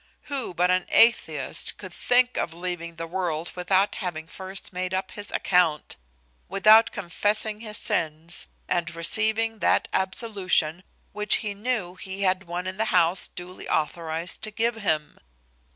Who but an atheist could think of leaving the world without having first made up his account? without confessing his sins, and receiving that absolution which he knew he had one in the house duly authorized to give him?